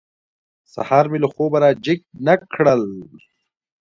سهار مې له خوبه را جېګ نه کړل.